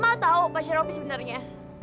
mau tahu pak sheropi sebenarnya